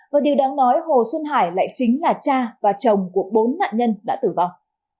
và điều đáng nói hồ xuân hải lại chính là cha và chồng của bốn nạn nhân đã tử vong